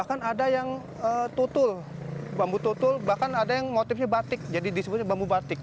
bahkan ada yang tutul bambu tutul bahkan ada yang motifnya batik jadi disebutnya bambu batik